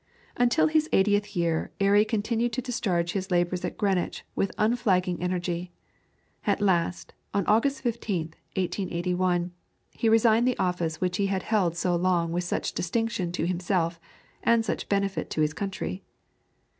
Until his eightieth year Airy continued to discharge his labours at Greenwich with unflagging energy. At last, on August 15th, 1881, he resigned the office which he had held so long with such distinction to himself and such benefit to his country.